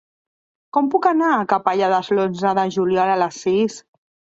Com puc anar a Capellades l'onze de juliol a les sis?